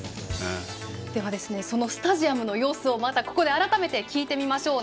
ではスタジアムの様子をここで改めて聞いてみましょう。